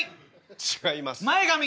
違います。